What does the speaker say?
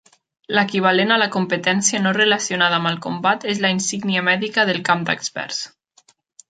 L'equivalent a la competència no relacionada amb el combat és la insígnia mèdica del camp d'experts.